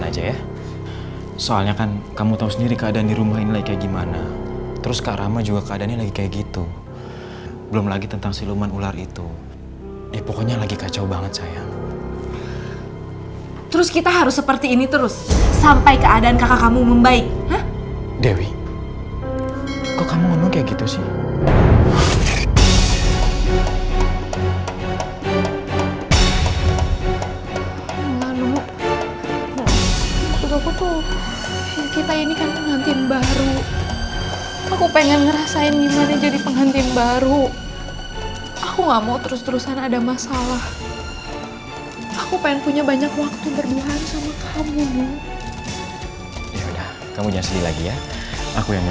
jangan lupa like share dan subscribe channel ini untuk dapat info terbaru dari kami